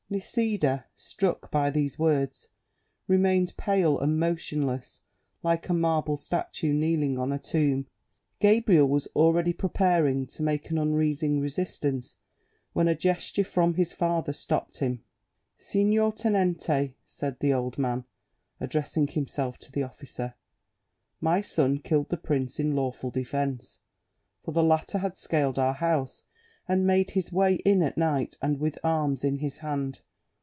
Nisida, struck by these words, remained pale and motionless like a marble statue kneeling on a tomb; Gabriel was already preparing to make an unreasoning resistance, when a gesture from his father stopped him. "Signor tenente," said the old man, addressing himself to the officer, "my son killed the prince in lawful defence, for the latter had scaled our house and made his way in at night and with arms in his hand.